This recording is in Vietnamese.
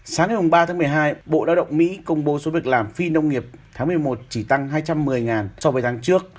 sáng ngày ba tháng một mươi hai bộ lao động mỹ công bố số việc làm phi nông nghiệp tháng một mươi một chỉ tăng hai trăm một mươi so với tháng trước